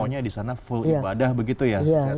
pokoknya di sana full ibadah begitu ya